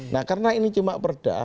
nah karena ini cuma perda